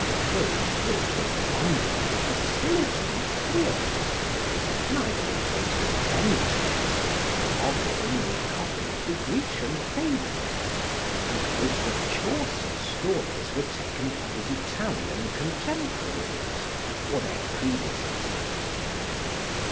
Both writ with wonderful facility and clearness: neither were great inventors; for Ovid only copied the Grecian fables; and most of Chaucer's stones were taken from his Italian contemporaries, or their predecessors.